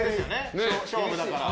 勝負だから。